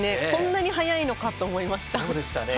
こんなに速いのかと思いました。